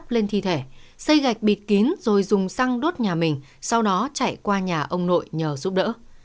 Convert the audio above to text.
lên thi thể xây gạch bịt kín rồi dùng xăng đốt nhà mình sau đó chạy qua nhà ông nội nhờ giúp đỡ